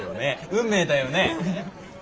運命だよね！